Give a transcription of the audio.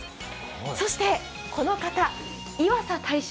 そして、この方、いわさ大将